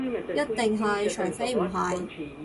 一定係，除非唔係